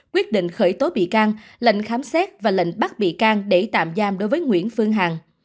quyết định khởi tố bị can lệnh khám xét và lệnh bắt bị can để tạm giam đối với nguyễn phương hằng